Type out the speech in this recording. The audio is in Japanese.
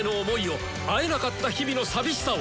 会えなかった日々の寂しさを！